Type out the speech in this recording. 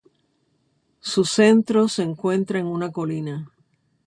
Su centro se encuentra en una colina.